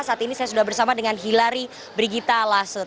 saat ini saya sudah bersama dengan hilary brigita laset